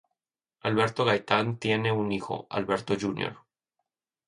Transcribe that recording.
Alberto Gaitán tiene un hijo, Alberto Jr.